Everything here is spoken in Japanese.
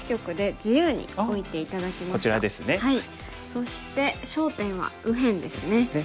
そして焦点は右辺ですね。